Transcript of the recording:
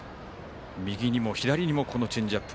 右にも、左にもこのチェンジアップ。